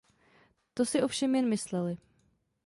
To si ovšem jen mysleli.